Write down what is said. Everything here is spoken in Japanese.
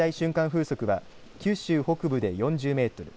風速は九州北部で４０メートル